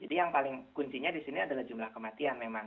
jadi yang paling kuncinya di sini adalah jumlah kematian memang